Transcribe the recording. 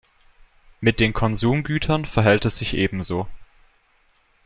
Mit den Konsumgütern verhält es sich ebenso.